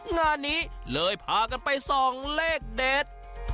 งานนี้เลยพากันไปส่องเลขเด็ด